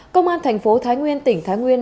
công an thành phố thái nguyên tỉnh thái nguyên